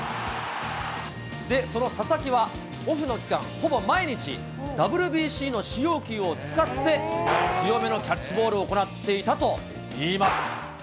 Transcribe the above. で、その佐々木はオフの期間、ほぼ毎日、ＷＢＣの使用球を使って、強めのキャッチボールを行っていたといいます。